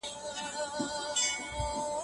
له تېر تاريخ څخه څه زده کولای سو؟